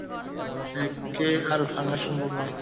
একে আর ভাঙা সম্ভব নয়।